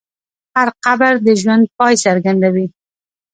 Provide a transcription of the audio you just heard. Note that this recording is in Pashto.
هر قبر د ژوند پای څرګندوي.